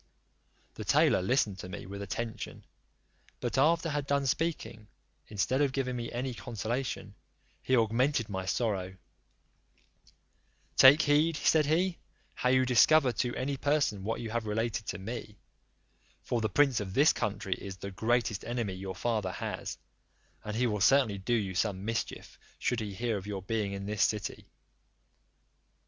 The tailor listened to me with attention; but after had done speaking, instead of giving me any consolation, he augmented my sorrow: "Take heed," said he, "how you discover to any person what you have related to me; for the prince of this country is the greatest enemy your father has, and he will certainly do you some mischief, should he hear of your being in this city."